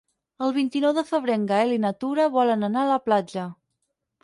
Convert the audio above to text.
El vint-i-nou de febrer en Gaël i na Tura volen anar a la platja.